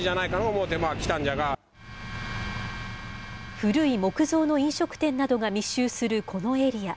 古い木造の飲食店などが密集するこのエリア。